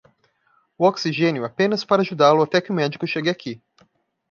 O oxigênio é apenas para ajudá-lo até que o médico chegue aqui.